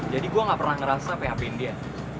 jadi gue gak pernah ngerasa php in dia